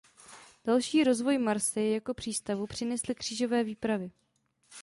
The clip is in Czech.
Další rozvoj Marseille jako přístavu přinesly křížové výpravy.